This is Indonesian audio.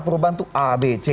perubahan itu abc